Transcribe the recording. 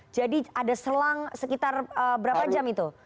jadi ada selang sekitar berapa jam itu